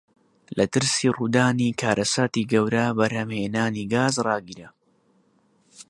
لە ترسی ڕوودانی کارەساتی گەورە بەرهەمهێنانی گاز ڕاگیرا.